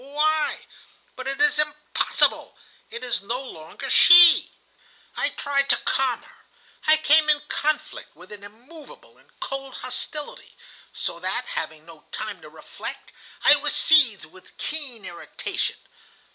Why? But it is impossible! It is no longer she!' "I tried to calm her. I came in conflict with an immovable and cold hostility, so that, having no time to reflect, I was seized with keen irritation.